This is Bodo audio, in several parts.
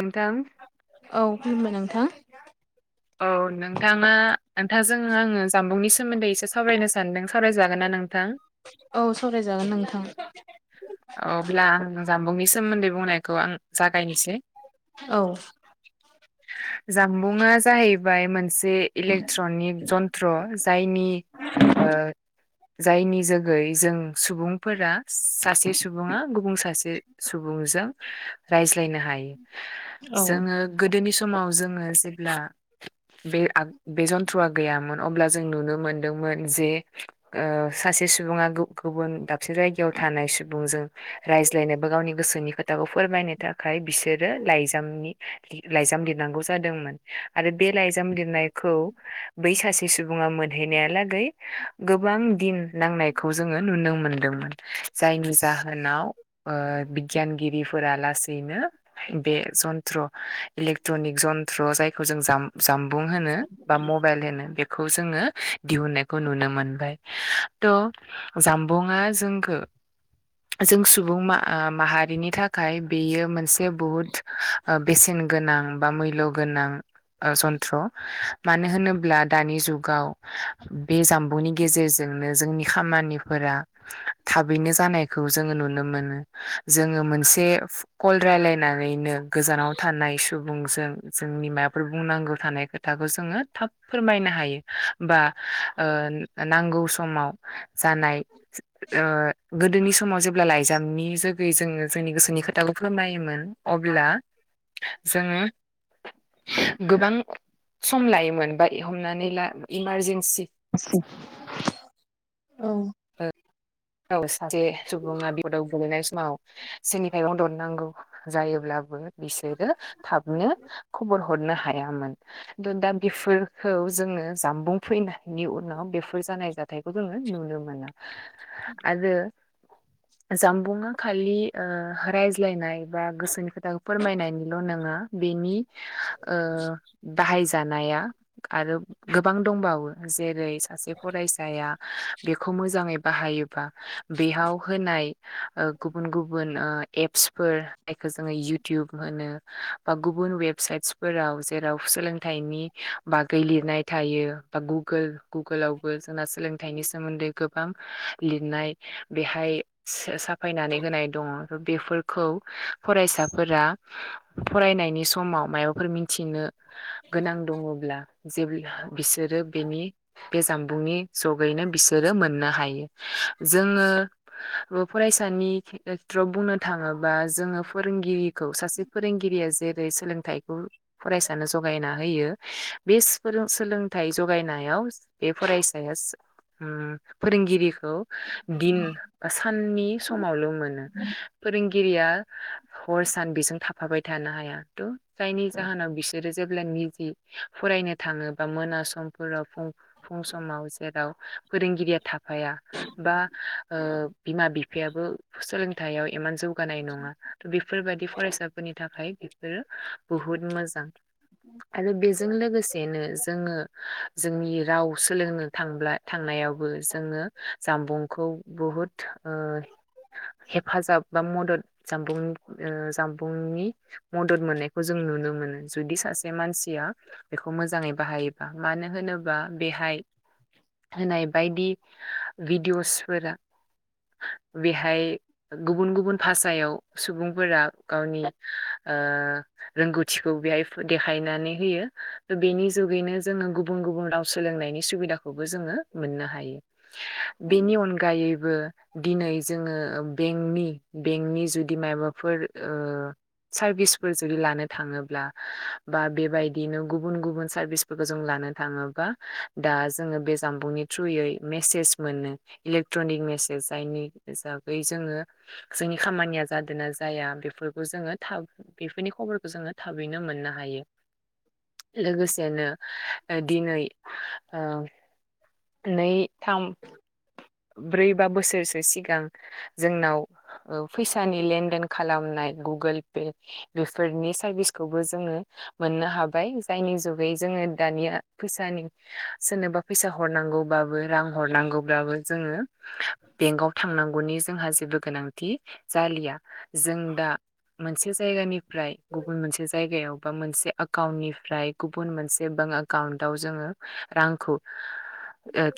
नोंथां औ खुलुमबाय नोंथां औ नोंथाङा नोंथांजों आङो जामबुंनि सोमोन्दै एसे सावरायनो सानदों सावरायजागोनना नोंथां औ सावरायजागोन नोंथां अब्ला आं जामबुंनि सोमोन्दै बुंनायखौ आं जागायनोसै औ जामबुङा सो जाय मोनसे इलेकट्रनिक जन्थ्र जायनि ओ जायनि जोगै जों सुबुंफोरा सासे सुबुङा गुबुन सासे सुबुंजों रायज्लायनो हायो औ जोङो गोदोनि समाव जोङो जेब्ला बे बे जन्थ्रआ गैयामोन अब्ला जों नुनो मोनदोंमोन जे सासे सुबुङा गुबुन दाबसेन जायगायाव थानाय सुबुंजों रायज्लायनोबो गावनि गोसोनि खोथाखौ फोरमायनो थाखाय बिसोरो लाइजामनि लाइजाम लिरनांगौ जादोंमोन आरो बे लाइजाम लिरनायखौ बै सासे सुबुङा मोनहैनायालागै गोबां दिन नांनायखौ जोङो नुनो मोनदोंमोन जायनि जाहोनाव बिगियानगिरिफोरा ओ लासैनो बे जन्थ्र इलेक्ट्रनिक जन्थ्र जायखौ जों जाम जानबुं होनो बा मबाइल होनो बे खौ जोङो दिहुननायखौ नुनो मोनबाय थ' जामबुंआ जोंखो जों सुबुं मा-माहारिनि थाखाय बेयो मोनसे बुहुत बेसेन गोनां बा मुल्य गोनां ओ जन्थ्र मानो होनोब्ला दानि जुगाव बे जामबुंनि गेजेरजोंनो जोंनि खामानिफोरा थाबैनो जानायखौ जोङो नुनो मोनो जोङो मोनसे कल राय्लायनानैनो गोजानाव थानाय सुबुंजों जोंनि माबाफोर बुंनांगौ थानायखौ खोथाखौ जोङो थाब फोरमायनो हायो बा नांगौ समाव जानायनाय गोदोनि समाव जेब्ला लाइजामनि जुगै जोङो जोंनि गोसोनि खोथाखौ फोरमायोमोन अब्ला जोङो गोबां सम लायोमोन बा हमनानै ला इमारजेन्सि औ ओ औ सासे सुबुङा बिबदाव गोलैनाय समाव सोरनि थाइगं दरनांगौ जायोब्लाबो बिसोरो थाबनो खबर हरनो हायामोन दा बेफोरखौ जोङो जामबुं फैनायनि उनाव बेफोर जानाय जादों थथ नुल माना आरो जानबुंङा खालि रायज्लायनाय बा गोसोनि खोथाखौ फोरमायनायनिल' नङा बेनि बाहायजानाया आरो गोबां दंबावो जेरै सासे फरायसाया बेखौ मोजाङै बाहायो बेयाव होनाय गुबुन गुबुन एप्सफोर जायखौ जोङो इयउटुब होनो बा गुबुन वेबसाइटसफोराव जेराव सोलोंथाइनि बागै लिरनाय थायो बा गुगोल गुगोलावबो जोंना सोलोंथाइनि सोमोन्दै गोबां लिरनाय बेहाय साफायनानै होनाय दङ बेफोरखौ फरायसाफोरा फरायनायनि समाव माबाफोर मिथिनो गोनां दङब्ला जे बिसोरो बेनि बे जामबुंनि जगैनो बिसोरो मोननो हायो जोङो फरायसानिथ्रआव बुंनो थाङोबा जोङो फोरोंगिरि खौ सासे फोरोंगिरिया जेरै सोलोंथाइखौ फरायसानो जगायना होयो बेों सोलोंथाइ जगायनायाव बे फरायसाया फोरों दिन बा साननि समावल' मोनो फोरोंगिरिया हर सान बेजों थाफाबाय थानो हाया थ' जायनि जाहोनाव बिसोरो जेब्ला निजि फरायनो थाङोबा मोना समफोराव फुं समाव जेराव फोरोंगिरिया थाफाया बा बिमा बिफायाबो सोलोंथाइयाव इमान जौ जौगानाय नङा थ बेफोरबायाददि फरायसाफोरनि थाखाय बेफोरो बुहुद मोजां आरो बेजों लोगोसेनो जोङो जोंनि राव सोलोंनो थांब्ला। थांनायावबो जोङो जामबुंखौ बहुद ओ हेफाजाब बा मदद जानबुं जामबुंनि मदद मोननायखौ जों नुनो मोनो जुदि सासे मानसिया बेखौ मोजाङै बाहायोबा मानो होनोबा? बेहाय होनाय बायदि भिडिअ'सफोरा बेहाय गुबुन गुबुन भाषायाव सुबुंफोरा गावनि ओ रोंगौथिखौ बेहाय देखायनानै होयो त बेनि जुगैनो जोङो गुबुन गुबुन राव सोलोंनायनि सुबिदाखौबो जोङो मोननो हायो। बेनि अनगायैबो दिनै जोङो बेंकनि बेंकनि जुदि मा फोर ओ सारभिसफोर जुदि लानो थाङोब्ला बा बेबायदिनो गुबुन गुबुन सार्भिस जों लानो थाङोबा दा जोङो बे जामबुंनि थ्रुयै मेसेस मोनो इलेक्ट्रनिक मेसेज जायनि हिसागै जोङो जोंनि खामानिया जादों ना जाया बेफोरखौ जोङो थाब बेफोरनि खबरखौ जोङो थाबैनो मोननो हायो। लोगोसेनो दिनै ओ नै थाम ब्रै बा बोसोरसो सिगां जोंनाव औ फैसानि लेनदेन खालामनाय गुगोल पे बेफोरनि सारभिसखौबो जोङो मोननो हाबाय जायनि जुगै जोङो दानिया फैसानि सोरनोबा फैसा हरनांगौब्लााबो रां हरनांगौब्लााबबो जोङो बेंकआव थांनांगौनि जोंहा जेबो गोनांथि जालिया। जों दा मोनसे जायगानिफ्राय गुबुन मोनसे जायगायाव बा मोनसे एकाउन्टनिफ्राय गुबुन मोनसे बेंक एकाउन्टाव जोङो रांखौ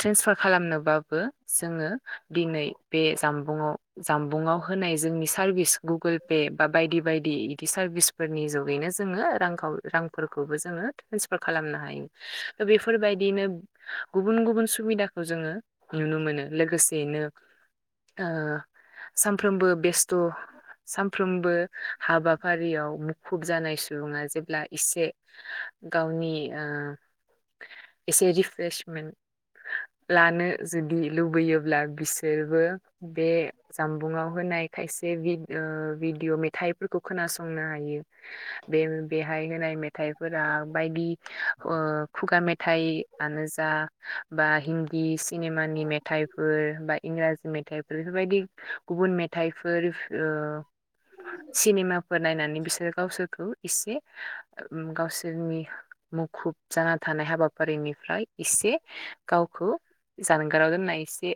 ट्रेन्सफार खालामनोबाबो जोङो दिनै बे जामबुंआव जानबुंआव होनाय जोंनि सार्भिस गुगोल पे बा बायदि बायदि बिदि सार्भिस फोरनि जुगैनो जोङो रांाव रांफोरखौबो जोङो ट्रेन्सफार खालामनो हायो। बेफोरबायदिनो गुबुन गुबुन सुबिदाखौ जोङो नुनो मोनो। लोगोसेैनो सानफ्रोमबो बेस्थ' सानफ्रोमबो हाबाफारियाव मुखुब जानाय सुबुङा जेब्ला एसे गावनि ओ एसे रिफ्र्रेसमेन्ट लानो जुदि लुबैयोब्ला बिसोर जेरबो बे जामबुंआव होनाय खायसे भिदिअ मेथाइ फोरखौ खोनासंनो हायो। बे बेहाय होनाय मेथाइफोरा बायदि खुगा मेथाइ आानो जा बा हिन्दी सिनेमानिे मे मे बा इंराजि मेथाइफोर बेफोरबायदि गुबुन मेथाइफोर ओ सनेमा फोर नायनानै बिसोरो गावसोरखौ इसे गावसोरनि मुखुब जाना थानाय हाबाफारिनिफ्राय इसे गावखौ जानांगारावदों न इसे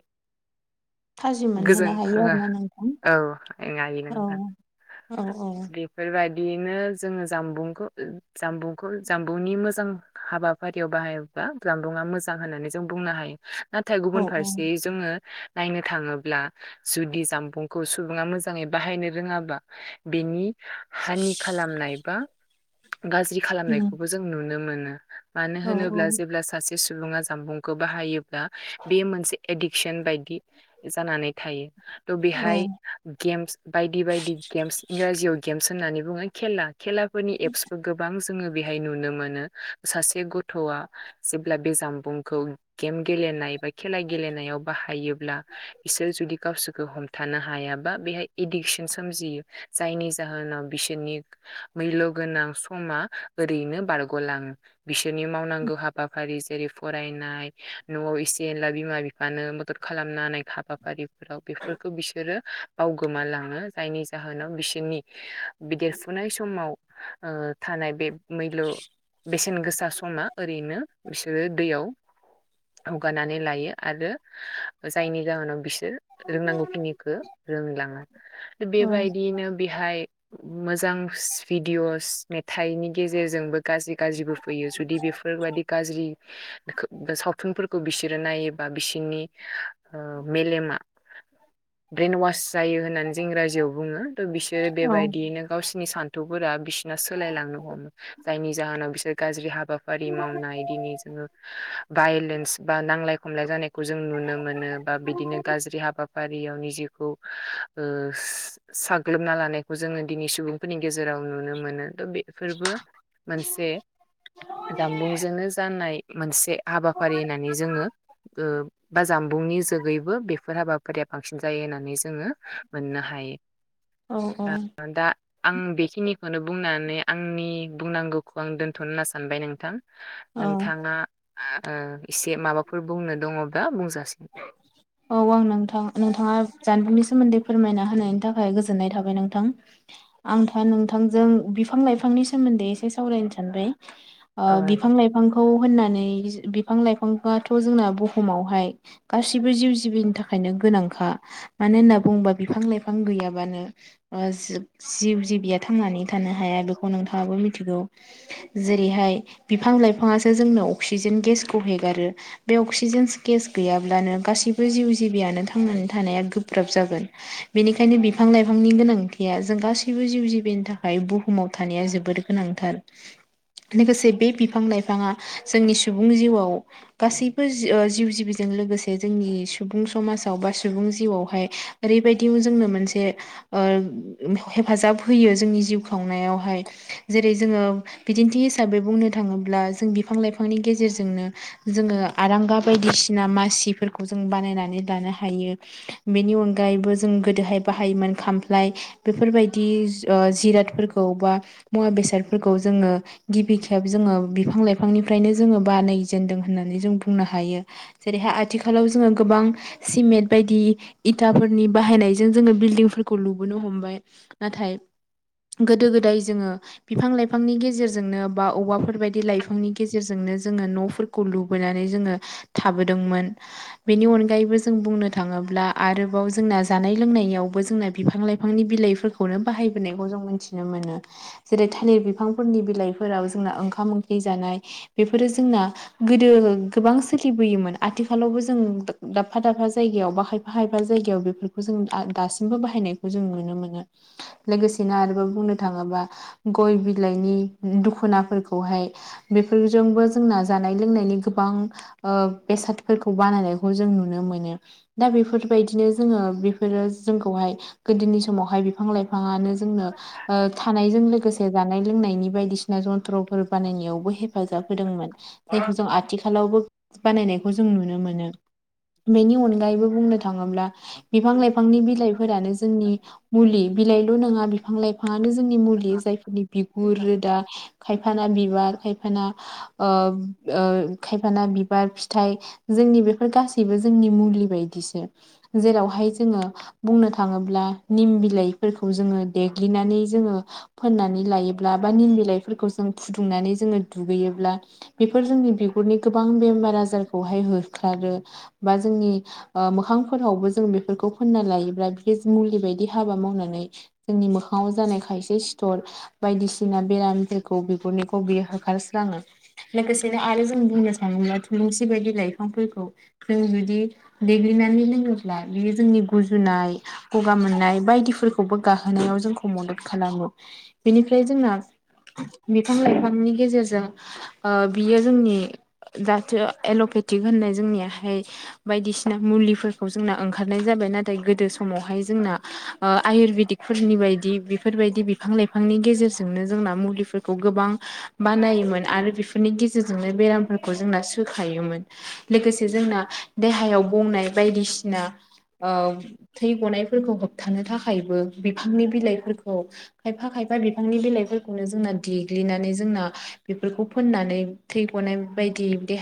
थाजि मोनहोनो गोजोनथ हायो आरोना नोंथां औ एय औ नोंथां। औ औ। बेफोरबायदिैनो जोङो जामबुंखौ जामबुंखौ जामबुंनि मोजां हाबाफारियाव बाहायो जामबुंआ मोजां होननानै जों बुंनो हायो नाथाय औ गुबुन औ फारसे जोङो नायनो थाङोब्ला जुदि जामबुंखौ सुबुङा मोजाङै बाहायनो रोङाबा बेनि हानि खालामनाय बा गाज्रि उम खालामनायखौबो जों नुनो मोनो मानो औ होनोब्ला जेब्ला सासे सुबुङा जामबुंखौ बाहायो बे मोनसे एडिक्सन बायदि जानानै थायो थ' औ बेहाय गेम्स बायदि बायदि गेम्स इंराजियाव गेम्स होननानै बुङो खेला खेलाफोरनि एपसबो गोबां जोङो बेहाय नुनो मोनो सासे गथ'आ जेब्ला बे जामबुंखौ गेम गेलेनाय बा खेला गेलेनायाव बाहायोब्ला बिसोर जुदि गावसोर खौ हमथानो हायाबा बेहाय एडिक्सन सोमजियो जायनि जाहोनाव बिसोरनि मैल' गोनां समा ओरैनो बारग'लाङो बिसोरनि मावनांगौ हाबाफारि जेरै फरायनाय न'आव एसे एनला बिमा बिफानो मदद खालामना हानाय हाबाफारिफोराव बेफोरखौ बिसोरो बावगोमालाङो जायनि जाहोनाव बिसोरनि बेदेरफुनाय समाव थानाय बे मैल' बेसेन गोसा समा ओरैनो बिसोरो दैयाव हगारनानै लायो आरो जायनि जाहोनाव बिसोर रोंनांगौखिनिखौ रोंलाङा औ बेबायदियैनो बेहाय मोजां भिडिअस मेथाइनि गेजेरजोंबो गाज्रि गाज्रिबो फैयो जुदि बेफोरबायदि गाज्रि सावथुनफोरखौ बिसोरो नायोबा बिसोरनि आ मेेलेमा ब्रेन ववास जायो होननानै जों इंराजिआव बुङो त' बिसोरो औ बेबायदियैनो गावसिोरनि सान्थौफोरा बिसिोरना सोलायलांनो हमो जायनि जाहोनाव बिसोर गाज्रि हा बाफारि मावनाय दिनो जोङो वायलेनस बा नांलाय खमलाय जानाय खौ जों नुनो मोनो बा बिदिनो गाज्रि हाबा फारियांनि जिउखौ साग्लोबना लानायखौ जोङो दिनै सुबुं फोरनि गेजेराव नुनो मोनो' बे थ' बे फोरबो मोनसे जामबुंजोंनो जानाय मोनसे हाबाफारि होननानै जोङो बा जामबुंनि जोगैबो बेफोर हाबाफारिया फांसिन जायो होननानै जोङो मोननो हायो दा [inaudible] औ नोंथाङा एसे माबाफोर बुंनो दङब्ला बुंजासि [inaudible] औ आं नोंथां नोंथाङा जानबुंनि सोमोन्दै फोरमायना होनायनि थाखाय गोजोननाय थाबाय नोंथां आंथा नोंथांजों बिफां लाइफांनि सोमोन्दै एसे सावरायनो सानबाय औ बिफां नोंथां लाइफांखौ होननानै बिफां लाइफांफाथ' जोंना बुहुमावहाय गाससिबो जिउ जिबिनि थाखायनो गोनांखा मानो होनना बुङोबा बिफां लाइफां गैयाबानो जिउ जिबिया थांनानै थानो हाया बेखौ नोंथाङाबो मिथिगौ जेरैहाय बिफां लाइफाङासो जोंनो अक्सिजेन गेसखौ हेगारो बे अक्सिजेन गेस गैयाब्लानो गासैबो जिउ जिबियानो थांनानै थानाया गोब्राब जागोन बेनिखायनो बिफां लाइफांनि गोनांथिया जों गासैबो जिउ जिबिनि थाखाय बुहुमाव थानाया जोबोद गोनांथार लोगोसे बे बिफां लाइफाङा जोंनि सुबुं जिउआव गासैबो जिउ जिबि जों लोगोसे जोंनि सुबुं समाजाव बा सुबुं जिउआवहाय ओरैबायदि जोंनो मोनसे हेफाजाब होयो जोंनि जिउ खांनायावहाय जेरै जोङो बिदिन्थि हिसाबै बुंनो थाङोब्ला जों बिफां लाइफांनि गेजेरजोंनो जोङो आरांगा बायदिसिना मासिफोरखौ जों बानायनानै लानो हायो बेनि अनगायैबो जों गोदोहाय बाहायोमोन खामफ्लाय बेफोरबायदि जिरादफोरखौ बा मुवा बेसादफोरखौ जोङो गिबि खेब जोङो बिफां लाइफांनिफ्रायनो जोङो बानायजेनदों होननानै जों बुंनो हायो जेरैहाय आथिखालाव जोङो गोबां सिमेन्ट बायदि इथाफोरनि बाहायनायजों जोङो बिल्डिंफोरखौ लुबोनो हमबाय नाथाय गोदो गोदाय जोङो बिफां लाइफांनि गेजेरजोंनो बा औवाफोरबायदि लाइफांनि गेजेरजोंनो जोङो न'फोरखौ खौ लुबैनानै जोङो थाबोदोंमोन बेनि अनगायैबो जों बुंनो थाङोब्ला आरोबाव जोंना जानाय लोंनायावबो जोंना बिफां लाइफां बिफांनि बिलाइफोरखौनो बाहायबोनायखौ जों मिथिनो मोनो जेरै थालिर बिफांफोरनि बिलाइफोराव जोंना ओंखाम ओंख्रि जानाय बेफोरो जोंना गोदो गोबां सोलिबोयोमोन आथिखालावबो जों दाबफा दाबफा जायगायाव बाहा बाायफा जायगायाव बेफोरखौ जों दासिमबो बाहायनायखौ जों नुनो मोनो लोगोसेनो आरोबाव बुंनो थाङोबा गय बिलाइनि दुखुनाफोरखौ बेहाय बेफोरजोंबो जोंना जानाय लोंनायनि गोबां बेसादफोरखौ बानायनायखौ जों नुनो मोनो दा बेफोरबायदिनो जोङो बेफोरो जोंखौहाय गोदोनि समावहाय बिफां लाइफाङानो जोंनो थानायजों लोगोसे जानाय लोंनायनि बायदिसिना जन्थ्रफोर बानायनायावबो हेफाजाब होदोंमोन जायखौ जों आथिखालावबो बानायनायखौ जों नुनो मोनो बेनि अनगायैबो बुंनो थाङोब्ला बिफां लाइफांनि बिलाइफोरानो जोंनि मुलि बिलाइल' नङा बिफां लाइफाङानो जोंनि मुलि जायफोरनि बिगुर रोदा खायफाना बिबार खायफाना खायफाना बि बार फिथाइ जोंनि बेफोर गासैबो जोंनि मुलि बायदिसो जेरावहाय जोङो बुंनो थाङोब्ला निम बिलाइफोरखौ जोङो देग्लिनानै जोङो फोननानै लायोब्ला बा निम बिलाइफोरखौ जों फुदुंनानै जोङो दुगैयोब्ला बेफोर जोंनि बिगुरनि गोबां बेमार आजारखौहाय होखारो बा जोंनि मोखांफोरावबो जों बेफोरखौ फोनना लायोब्ला बे मुलि बायदि हाबा मावनानै जोंनि मोखाङाव जानाय खायसे सिथर बायदिसिना बेरामफोरखौ बिगुरनिखौ बियो होखारस्लाङो लोगोसेनो आरो जों बुंनो सानोब्ला थुलुंसि बायदि लाइफांफोरखौ जों जुदि देग्लिनानै लोङोब्ला बेयो जोंनि गुजुनाय गगा मोननाय बायदिफोरखौबो गाहोनायाव जोंखौ मदद खालामो बेनिफ्राय जोंना बिफां लाइफांनि गेजेरजों बियो जोंनि जा एल'पेटिक होननाय जोंनियाहाय बायदिसिना मुलिफोरखौ जोंना ओंखारनाय जाबाय नाथाय गोदो समावहाय जोंना ओ आयुरवेदिकफोरनि बायदि बेफोरबायदि बिफां लाइफांनि गेजेरजोंनो जोंना मुलिफोरखौ गोबां बानायोमोन आरो बेफोरनि गेजेरजोंनो बेरामफोरखौ जोंना होखायोमोन लोगोसे जोंना देहायाव बुंनाय बायदिसिना थै गनायफोरखौ होबथानो थाखायबो बिफांनि बिलाइफोरखौ खायफा खायफा बिफांनि बिलाइफोरखौनो जोंना देग्लिनानै जोंना बेफोरखौ फोननानै थै गनाय बायदि देहा